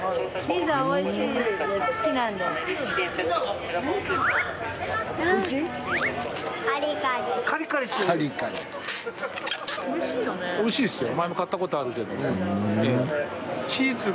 美味しいっすよ。